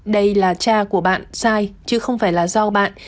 đây là cha của bạn sai chứ không phải là do bạn